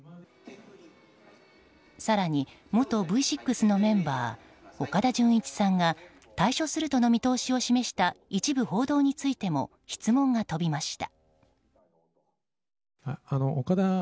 更に、元Ｖ６のメンバー岡田准一さんが退所するとの見通しを示した一部報道についても質問が飛びました。